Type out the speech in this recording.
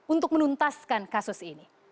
untuk menuntaskan kasus ini